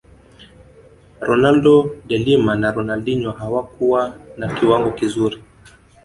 ronaldo de Lima na Ronaldinho hawakuwa na kiwango kizuri